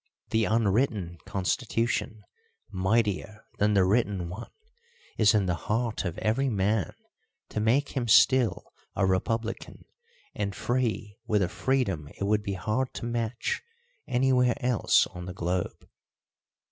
Theunwritten constitution, mightier than the written one, is in the heart of every man to make him still a republican and free with a freedom it would be hard to match anywhere else on the globe.